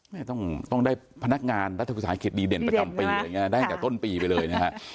ไม่ต้องได้พนักงานรัฐธุรกิจดีเด่นประจำปีได้จากต้นปีไปเลย